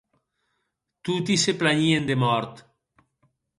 Toti se planhien de mòrt.